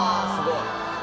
すごい。